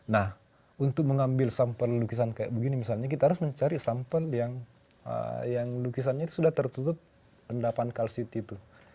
nah untuk mengambil sampel lukisan kayak begini misalnya kita harus mencari sampel yang lukisannya sudah tertutup endapan kalsit itu